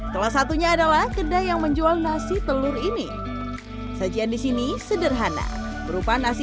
telah satunya adalah kedai yang menjual nasi telur ini sajian disini sederhana berupa nasi